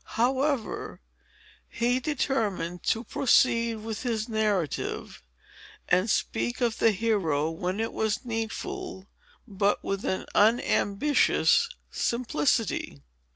However, he determined to proceed with his narrative, and speak of the hero when it was needful, but with an unambitious simplicity.